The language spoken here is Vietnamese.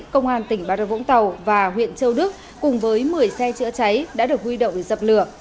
công an tỉnh bà rập vũng tàu và huyện châu đức cùng với một mươi xe chữa cháy đã được huy động dập lửa